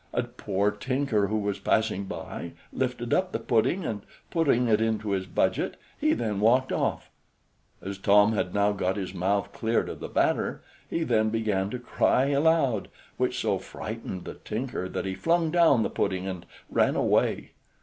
A poor tinker, who was passing by, lifted up the pudding, and, putting it into his budget, he then walked off. As Tom had now got his mouth cleared of the batter, he then began to cry aloud, which so frightened the tinker that he flung down the pudding and ran away.